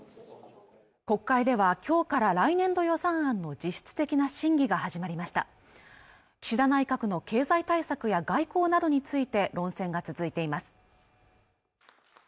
国会では今日から来年度予算案の実質的な審議が始まりました岸田内閣の経済対策や外交などについて論戦が続いています